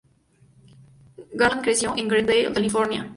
Garland creció en Glendale, California.